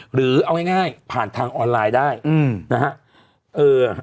หรือเอาง่ายผ่านทางออนไลน์ได้อืมนะฮะ